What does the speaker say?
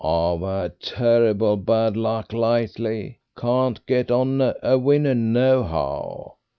"I've had terrible bad luck lately, can't get on a winner nohow.